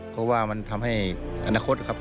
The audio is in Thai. เพราะว่ามันทำให้อนาคตครับ